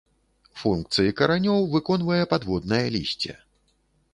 Функцыі каранёў выконвае падводнае лісце.